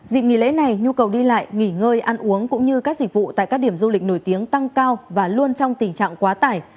dịp nghỉ lễ này nhu cầu đi lại nghỉ ngơi ăn uống cũng như các dịch vụ tại các điểm du lịch nổi tiếng tăng cao và luôn trong tình trạng quá tải